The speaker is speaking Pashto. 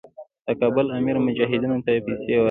د کابل امیر مجاهدینو ته پیسې ورکولې.